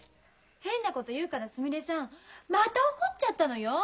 変なこと言うからすみれさんまた怒っちゃったのよ。